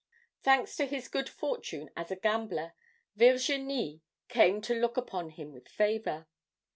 "Thanks to his good fortune as a gambler, Virginie came to look upon him with favor.